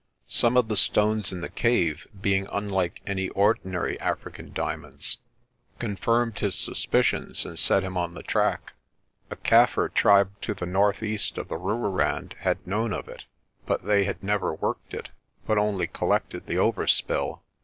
Some of the stones in the cave, being unlike any ordinary African dia 270 PRESTER JOHN monds, confirmed his suspicions and set him on the track. A Kaffir tribe to the northeast of the Rooirand had known of it, but they had never worked it, but only collected the overspill.